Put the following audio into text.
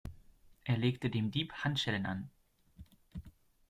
Er legte dem Dieb Handschellen an.